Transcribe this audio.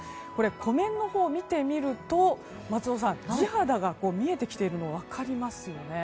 湖面のほうを見てみると松尾さん、地肌が見えてきているのが分かりますよね。